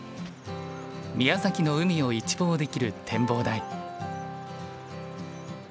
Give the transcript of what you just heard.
宮崎の海を一望できる展望台。